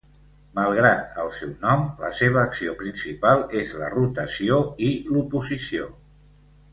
Malgrat el seu nom, la seva acció principal és la rotació i l'oposició.